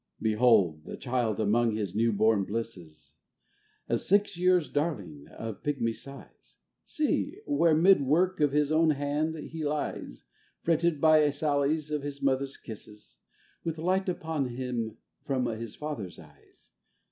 Behold the Child among his new born blisses, A six years' Darling of a pigmy size ! See, where 'mid work of his own hand he lies, Fretted by sallies of his mother's kisses, With light upon him from his father's eyes